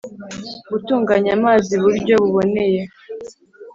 Gutunganya amazi buryo buboneye